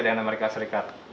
dengan amerika serikat